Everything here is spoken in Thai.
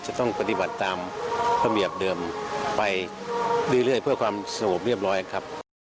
จะต้องปฏิบัติตามระเบียบเดิมไปเรื่อยเพื่อความสงบเรียบร้อยครับ